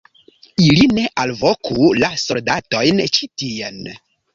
ili ne alvoku la soldatojn ĉi tien!